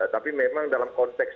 tapi memang dalam konteks